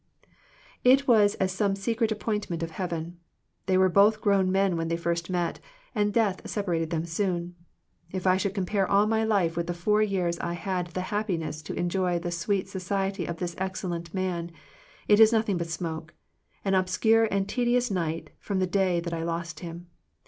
It was as some secret appointment of heaven. They were both grown men when they first met, and death separated them soon. " If 1 should compare all my life with the four years I had the happiness to enjoy the sweet so ciety of this excellent man, it is nothing but smoke; an obscure and tedious night from the day that I lost him.